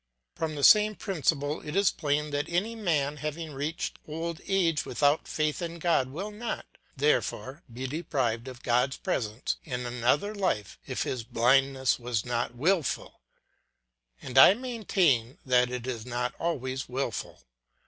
From the same principle it is plain that any man having reached old age without faith in God will not, therefore, be deprived of God's presence in another life if his blindness was not wilful; and I maintain that it is not always wilful.